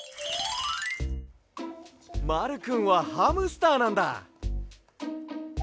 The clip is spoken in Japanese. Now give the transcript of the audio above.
まるくんはハムスターなんだ。